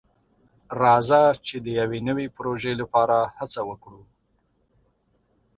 راځه چې د یو نوي پروژې لپاره هڅه وکړو.